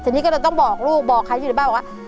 ทีนี้ก็เลยต้องบอกลูกบอกใครอยู่ในบ้านบอกว่า